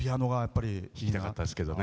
弾きたかったですけどね。